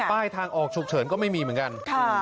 ป้ายทางออกฉุกเฉินก็ไม่มีเหมือนกัน